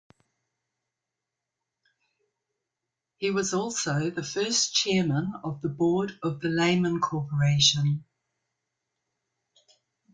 He was also the first chairman of the board of the Lehman Corporation.